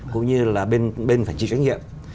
cũng như là bên phải chịu trách nhiệm